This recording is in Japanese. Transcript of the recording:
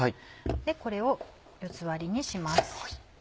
これを４つ割りにします。